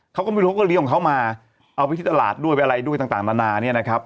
เขาก็ไม่รู้เขาก็เลี้ยของเขามาเอาไปที่ตลาดด้วยอะไรด้วยต่างนานาเนี่ยนะครับ